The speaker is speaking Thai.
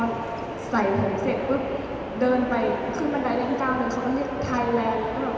พอใส่ผ่นเสร็จเดินไปขึ้นบันไดแรงกาวนึงเขาเรียกไทยแลนด์